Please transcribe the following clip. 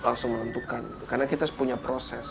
langsung menentukan karena kita punya proses